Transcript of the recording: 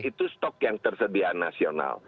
itu stok yang tersedia nasional